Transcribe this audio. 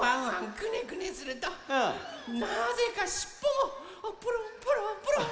クネクネするとなぜかしっぽもプルンプルンプルン。